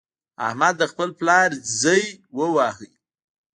احمد د خپل پلار ځای وواهه.